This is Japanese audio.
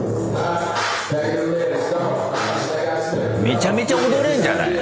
めちゃめちゃ踊れんじゃない。